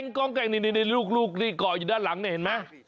กล้องแกล้งนี่ลูกนี่ก่ออยู่ด้านหลังเนี่ยเห็นไหม